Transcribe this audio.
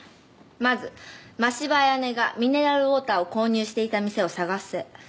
まず真柴綾音がミネラルウオーターを購入していた店を探せ。